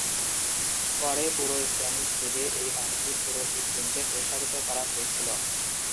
পরে পুরো স্প্যানিশ যুগে এই নামটি পুরো দ্বীপপুঞ্জে প্রসারিত করা হয়েছিল।